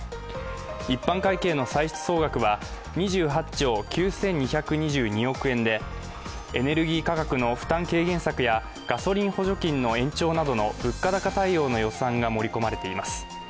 一般会計の歳出総額は２８兆９２２２億円で、エネルギー価格の負担軽減策やガソリン補助金の延長などの物価高対応の予算が盛り込まれています。